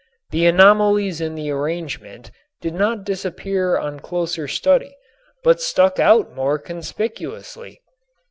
The anomalies in the arrangement did not disappear on closer study, but stuck out more conspicuously.